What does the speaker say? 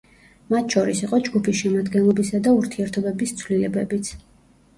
მათ შორის იყო ჯგუფის შემადგენლობისა და ურთიერთობების ცვლილებებიც.